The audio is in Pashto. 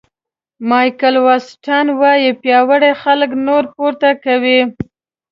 مایکل واټسن وایي پیاوړي خلک نور پورته کوي.